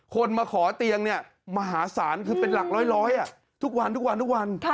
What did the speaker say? คนมาขอเตียงมหาศาลคือเป็นหลักร้อยทุกวัน